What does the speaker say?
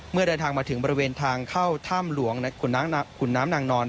เมื่อเดินทางมาถึงบริเวณทางเข้าถ้ำหลวงขุนน้ำนางนอน